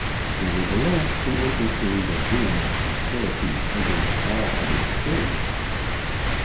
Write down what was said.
Nevertheless, he entertained a vehement hostility against all other sports.